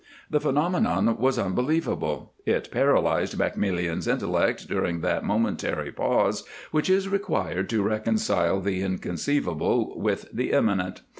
The phenomenon was unbelievable, it paralyzed Maximilien's intellect during that momentary pause which is required to reconcile the inconceivable with the imminent.